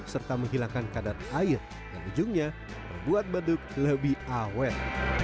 serta menghilangkan kadar air yang ujungnya membuat beduk lebih awet